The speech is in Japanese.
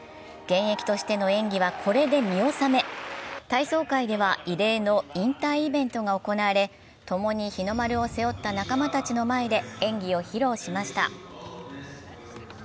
現役としての演技は、これで見納め体操界では異例の引退イベントが行われ、共に日の丸を背負った仲間たちの前で演技を披露しました。